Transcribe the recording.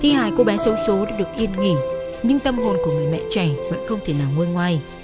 thi hài cô bé xấu xố đã được yên nghỉ nhưng tâm hồn của người mẹ trẻ vẫn không thể nào ngôi ngoài